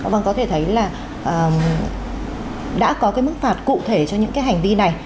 vâng có thể thấy là đã có cái mức phạt cụ thể cho những cái hành vi này